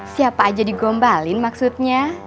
siapa aja digombalin maksudnya